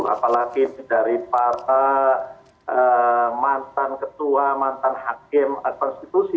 apalagi dari para mantan ketua mantan hakim atau institusi